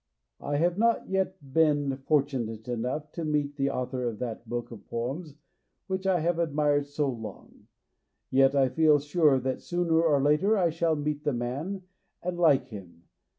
I have not yet been fortunate enough to meet the author of that book of poems which I have admired so long, yet I feel sure that sooner or later I shall meet the man and THE POET WHO WAS 223 like him.